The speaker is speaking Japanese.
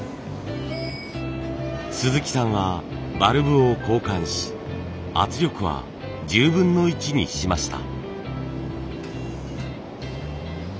鈴木さんはバルブを交換し圧力は１０分の１にしました。